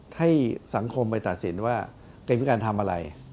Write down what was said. ให้สังคมไปตัดสินว่าเป็นการทำอะไร